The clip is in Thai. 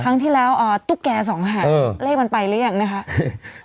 ครั้งที่แล้วตุ๊กแก่สองหางเลขมันไปหรือยังนะคะ